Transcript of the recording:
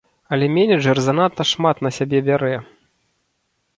Але менеджэр занадта шмат на сябе бярэ.